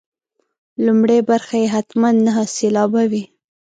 لومړۍ برخه یې حتما نهه سېلابه وي.